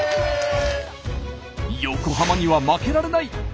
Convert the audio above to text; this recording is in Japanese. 横浜には負けられない！